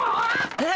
えっ！